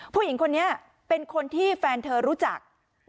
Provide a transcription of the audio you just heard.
ผู้หญิงคนนี้เป็นคนที่แฟนเธอรู้จัก